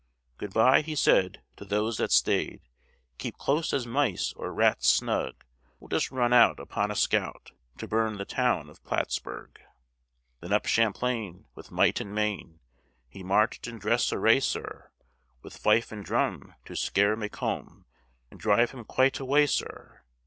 Good by!" he said to those that stay'd: "Keep close as mice or rats snug: We'll just run out upon a scout, To burn the town of Plattsburg." Then up Champlain with might and main He marched in dress array, sir; With fife and drum to scare Macomb, And drive him quite away, sir.